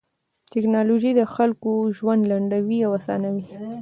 ټکنالوژي د خلکو ژوند لنډوي او اسانوي.